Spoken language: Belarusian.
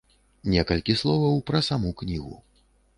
Некалькі словаў пра саму кнігу.